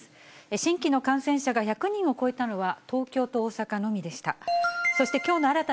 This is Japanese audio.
新規の感染者が１００人を超えたのは、東京と大阪のみでした。